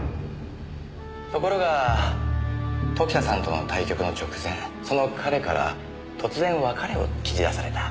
ところが時田さんとの対局の直前その彼から突然別れを切り出された。